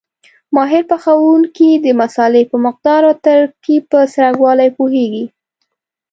ماهر پخوونکي د مسالې په مقدار او ترکیب په څرنګوالي پوهېږي.